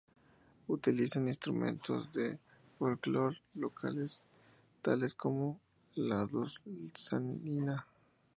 Utilizan instrumentos del folclore local tales como la dulzaina.